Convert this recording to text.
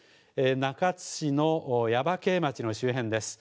中津市の耶馬溪町の周辺です。